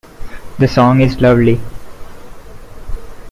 The song's lovely.